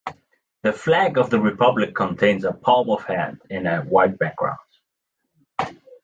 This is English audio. The flag of the Republic contains a palm of hand in a white background.